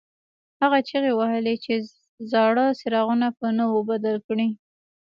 هغه چیغې وهلې چې زاړه څراغونه په نویو بدل کړئ.